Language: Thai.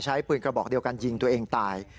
ใช้ปืนกระบอกเดียวกันยิงตัวเองตาย